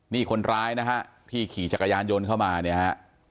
นี่คนร้ายนะฮะที่ขี่จักรยานยนต์เข้ามาเนี่ยฮะ